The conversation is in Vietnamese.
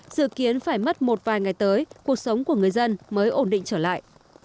dự kiến phải mất một vài ngày tới cuộc sống của người dân mới ổn định trở lại